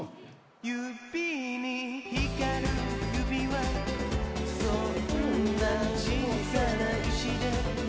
「指に光る指環そんな小さな宝石で」